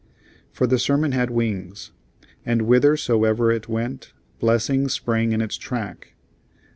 For the sermon had wings; and whithersoever it went blessings sprang in its track.